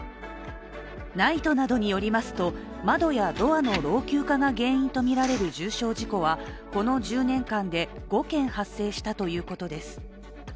ＮＩＴＥなどによりますと窓やドアの老朽化が原因とみられる重傷事故はこの１０年間で５件発生したということです。